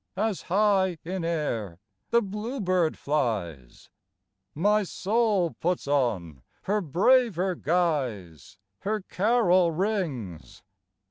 As high in air the bluebird flies, 22 EASTER CAROLS My soul puts on her braver guise, Her carol rings.